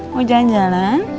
mau jalan jalan